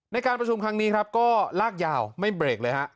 ในการประชุมทางนี้ก็ลากยาวไม่เบรกเลยครับ